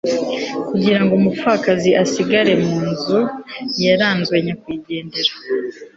kugira ngo umupfakazi asigare mu nzu yarazwe nyakwigendera